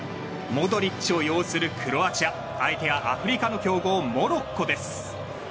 モドリッチを擁するクロアチア相手はアフリカの強豪モロッコです。